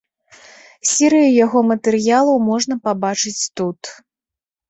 Серыю яго матэрыялаў можна пабачыць тут.